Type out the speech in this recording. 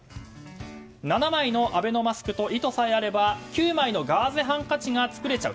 ７枚のアベノマスクと糸さえあれば９枚のガーゼハンカチが作れちゃう。